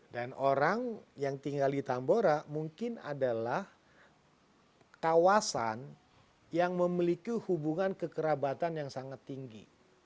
dan orang yang tinggal di tambora mungkin adalah kawasan yang memiliki hubungan kekerabatan yang sangat tinggi